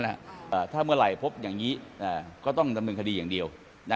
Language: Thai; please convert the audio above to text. ถ้าเมื่อไหร่พบอย่างนี้ก็ต้องดำเนินคดีอย่างเดียว